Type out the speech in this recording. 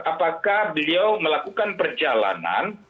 apakah beliau melakukan perjalanan